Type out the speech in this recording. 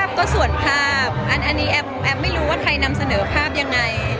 ก็ส่วนภาพอันนี้แอมไม่รู้ว่าใครนำเสนอภาพยังไง